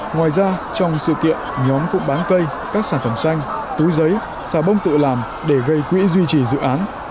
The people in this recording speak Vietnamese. ngoài ra trong sự kiện nhóm cũng bán cây các sản phẩm xanh túi giấy xà bông tự làm để gây quỹ duy trì dự án